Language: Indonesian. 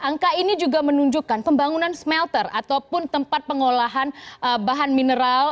angka ini juga menunjukkan pembangunan smelter ataupun tempat pengolahan bahan mineral